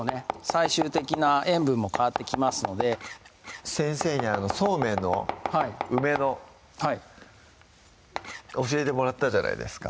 最終的な塩分も変わってきますので先生にそうめんの梅のはい教えてもらったじゃないですか